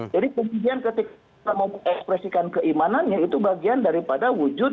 jadi kemudian ketika mau ekspresikan keimanannya itu bagian daripada wujud